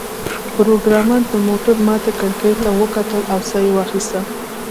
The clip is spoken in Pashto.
پروګرامر د موټر ماتې کړکۍ ته وکتل او ساه یې واخیسته